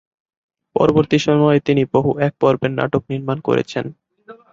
পরবর্তী সময়ে তিনি বহু এক পর্বের নাটক নির্মাণ করেছেন।